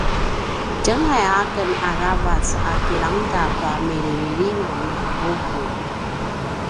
tjengelay aken aravac a kilangeda tua milimilingan ni vuvu